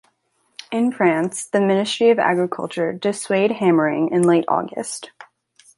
In France, the ministry of agriculture dissuade hammering in late august.